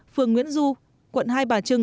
phường nguyễn du quận hai bà trưng